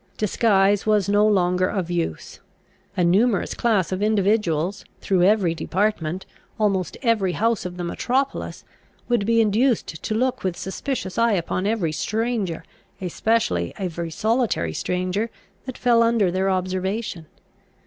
Disguise was no longer of use. A numerous class of individuals, through every department, almost every house of the metropolis, would be induced to look with a suspicious eye upon every stranger, especially every solitary stranger, that fell under their observation.